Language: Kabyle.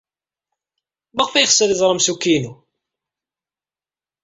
Maɣef ay yeɣs ad iẓer amsukki-inu?